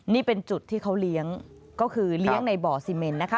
นี่เป็นจุดที่เขาเลี้ยงก็คือเลี้ยงในบ่อซีเมนนะคะ